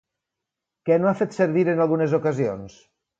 Què no ha fet servir en algunes ocasions?